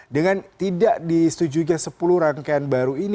dengan tidak disetujuinya sepuluh rangkaian baru ini